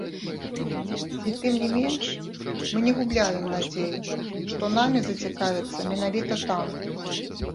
І, тым не менш, мы не губляем надзеі, што намі зацікавяцца менавіта там.